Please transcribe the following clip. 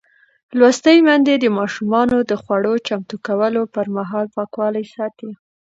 لوستې میندې د ماشومانو د خوړو چمتو کولو پر مهال پاکوالی ساتي.